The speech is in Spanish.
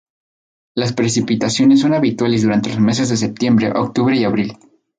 Las precipitaciones son habituales durante los meses de septiembre, octubre y abril.